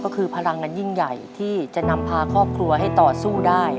ก็คือพลังอันยิ่งใหญ่ที่จะนำพาครอบครัวให้ต่อสู้ได้